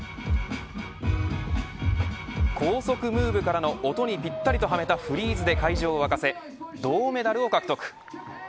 高速ムーブからの音にぴったりとはめたフリーズで会場を沸かせ、銅メダルを獲得。